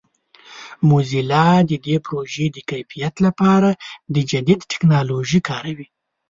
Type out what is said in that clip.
موزیلا د دې پروژې د کیفیت لپاره د جدید ټکنالوژیو کاروي.